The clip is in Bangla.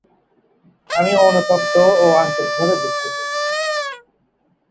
আমি অনুতপ্ত ও আন্তরিকভাবে দুঃখিত।’